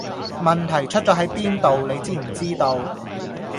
問題出左係邊度你知唔知道?